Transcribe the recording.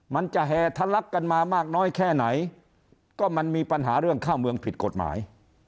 มันจะแห่ทะลักกันมามากน้อยแค่ไหนก็มันมีปัญหาเรื่องข้าวเมืองผิดกฎหมาย